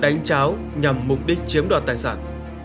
đánh trao mã qr nhằm mục đích chiếm đoạt tài sản